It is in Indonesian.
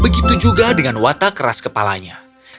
dia juga memiliki kerah kepala yang keras